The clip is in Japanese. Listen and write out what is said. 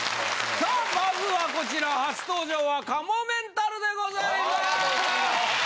さあまずはこちら初登場はかもめんたるでございます！